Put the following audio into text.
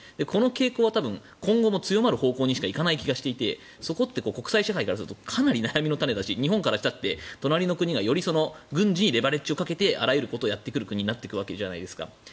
この傾向は今後も強まる方向にしか行かない気がしていてそれって国際社会からするとかなり悩みの種だし日本からしたら隣の国が軍事にレバレッジをかけてあらゆることをやってくる国になっていくわけじゃないですか。